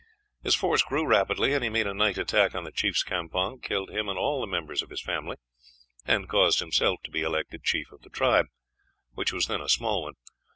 His force grew rapidly, and he made a night attack on the chief's campong, killed him and all the members of his family, and caused himself to be elected chief of the tribe, which was then a small one.